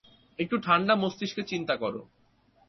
একটু ঠাণ্ডা মস্তিষ্কে চিন্তা কর।